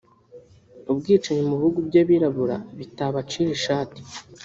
Ubwicanyi mu bihugu by’abirabura bitabacira ishati